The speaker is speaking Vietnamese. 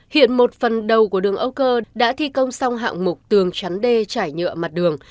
hiện một phần đầu của đường âu cơ đã thi công xong hạng mục tường chắn đê trải nhựa mặt đường